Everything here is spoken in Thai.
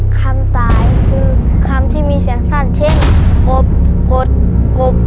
คำตายคือคำที่มีเสียงสั้นเช่นกบกดกบ